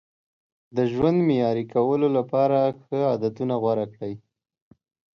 د ژوند معیاري کولو لپاره ښه عادتونه غوره کړئ.